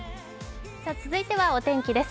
続いてはお天気です。